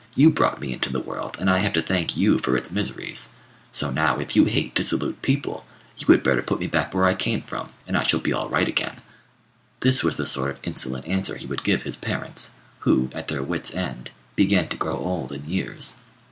You brought me into the world, and I have to thank you for its miseries; so now, if you hate dissolute people, you had better put me back where I came from, and I shall be all right again." This was the sort of insolent answer he would give his parents, who, at their wits' end, began to grow old in years.